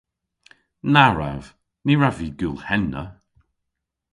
Na wrav! Ny wrav vy gul henna.